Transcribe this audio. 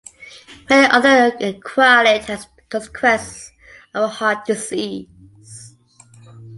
Many other acquire it as a consequence of heart disease.